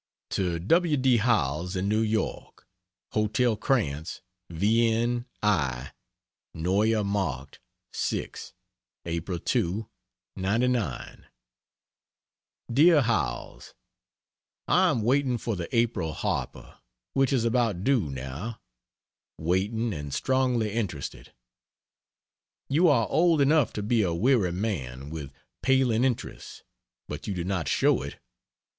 To W. D. Howells, in New York: HOTEL KRANTZ, WIEN I. NEUER MARKT 6 April 2, '99. DEAR HOWELLS, I am waiting for the April Harper, which is about due now; waiting, and strongly interested. You are old enough to be a weary man, with paling interests, but you do not show it.